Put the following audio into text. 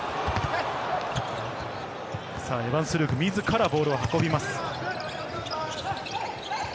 エヴァンス・ルーク、自らボールを運びます。